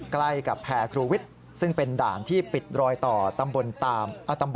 ใกล้กับแพร่ครูวิทย์ซึ่งเป็นด่านที่ปิดรอยต่อตำบลตาม